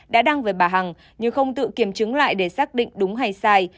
đã đăng với bà hằng nhưng không tự kiểm chứng lại để xác định đúng hay sai